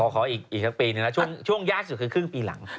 ขออีกสักปีหนึ่งแล้วช่วงยากสุดคือครึ่งปีหลัง